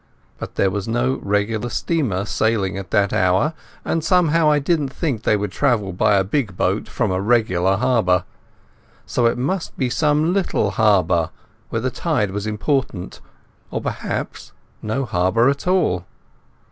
But there was no regular steamer sailing at that hour, and somehow I didn't think they would travel by a big boat from a regular harbour. So it must be some little harbour where the tide was important, or perhaps no harbour at all.